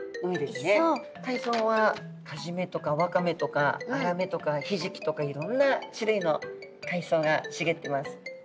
海藻はカジメとかワカメとかアラメとかヒジキとかいろんな種類の海藻がしげってます。